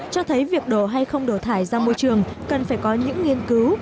cho thấy việc đổ hay không đổ thải ra môi trường cần phải có những nghiên cứu